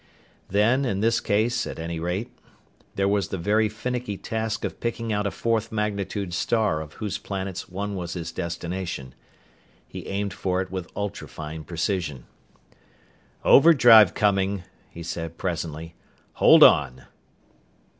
Then, in this case at any rate, there was the very finicky task of picking out a fourth magnitude star of whose planets one was his destination. He aimed for it with ultra fine precision. "Overdrive coming," he said presently. "Hold on!"